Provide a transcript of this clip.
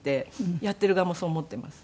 やっている側もそう思っています。